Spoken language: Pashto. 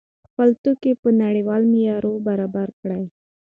خپل توکي په نړیوال معیار برابر کړئ.